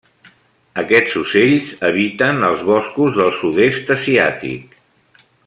Aquests ocells habiten als boscos del sud-est asiàtic.